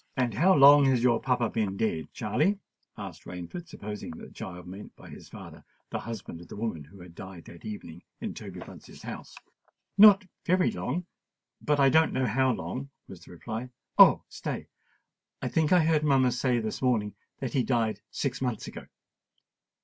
"And how long has your papa been dead, Charley?" asked Rainford, supposing that the child meant by his father the husband of the woman who had died that evening in Toby Bunce's house. "Not very long—but I don't know how long," was the reply. "Oh! stay—I think I heard mamma say this morning that he died six months ago."